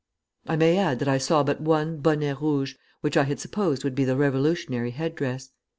"I may add that I saw but one bonnet rouge, which I had supposed would be the revolutionary headdress.